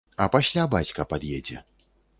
А пасля бацька пад'едзе.